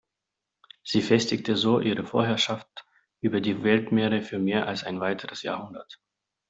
Sie festigte so ihre Vorherrschaft über die Weltmeere für mehr als ein weiteres Jahrhundert.